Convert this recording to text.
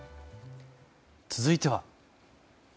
続いては。